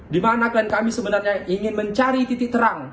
di mana klan kami sebenarnya ingin mencari titik terang